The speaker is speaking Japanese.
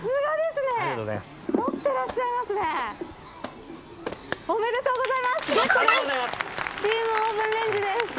スチームオーブンレンジです。